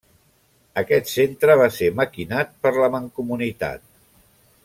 Aquest centre va ser maquinat per la Mancomunitat.